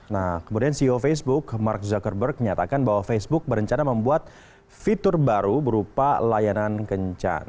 nah kemudian ceo facebook mark zuckerberg menyatakan bahwa facebook berencana membuat fitur baru berupa layanan kencan